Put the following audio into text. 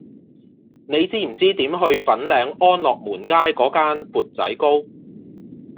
你知唔知點去粉嶺安樂門街嗰間缽仔糕